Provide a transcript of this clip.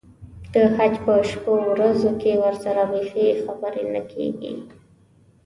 د حج په شپو ورځو کې ورسره بیخي خبرې نه کېږي.